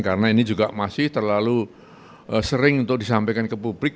karena ini juga masih terlalu sering untuk disampaikan ke publik